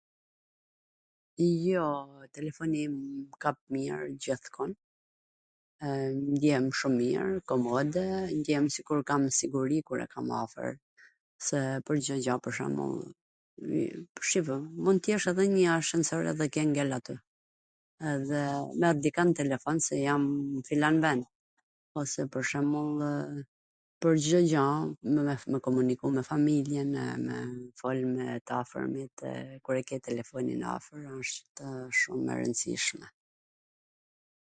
Jo, telefoni im kap mir gjithkund, ndjehem shum mir, komode, ndjehem sikur kam siguri kur e kam telefonin afwr, se pwr Cdo gja pwr shwmbull, shiko, mund t jesh edhe nw njw ashensor edhe ke ngel aty, edhe merr dikwnd n telefon se jam n filan vend, ose pwr shwmbullw pwr Cdo gja, me komuniku me falmiljen, e me fol me t afwrmit kur e ke telefonin afwr, wshtw shum e rwndsishme.